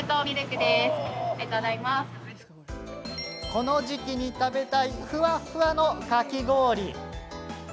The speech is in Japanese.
この時期に食べたいふわっふわの、かき氷。